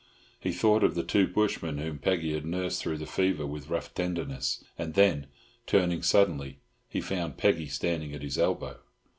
He thought of the two bushmen whom Peggy had nursed through the fever with rough tenderness; and then, turning suddenly, he found Peggy standing at his elbow.